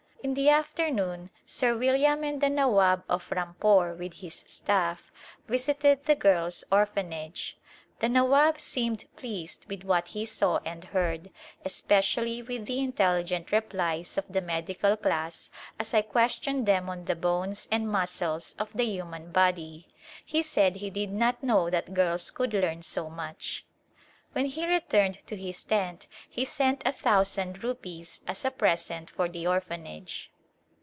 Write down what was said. In the afternoon Sir William and the Nawab of Ram pore with his staff, visited the Girls* Orphanage. The Nawab seemed pleased with what he saw and heard, especially with the intelligent replies of the medical class as I questioned them on the bones and muscles of the human body. He said he did not know that girls could learn so much. When he returned to his tent he sent a thousand rupees as a present for the Orphanage.